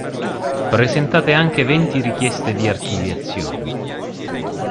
Presentate anche venti richieste di archiviazione.